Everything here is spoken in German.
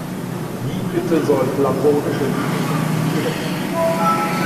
Wie bitte soll platonische Liebe funktionieren?